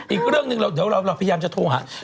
อีกเรื่องหนึ่งเดี๋ยวเราพยายามจะโทรหา